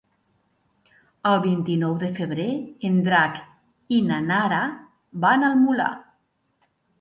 El vint-i-nou de febrer en Drac i na Nara van al Molar.